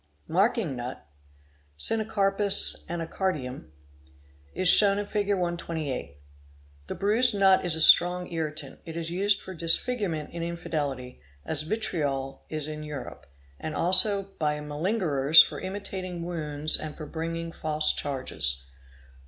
Marking nut, Simecarpus anacardium (Bilawa, Hind.; Sheran Kottai, Tam.) is shown in Fig. 128. The bruised nut is a strong irritant; it is used for disfigurement in infidelity as vitriol is in Kurope, and also by maling erers for imitating wounds and for bringing false charges.